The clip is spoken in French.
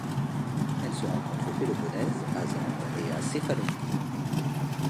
Elle se rencontre au Péloponnèse, à Zante et à Céphalonie.